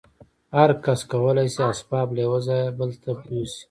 هر کس کولای شي اسباب له یوه ځای بل ته یوسي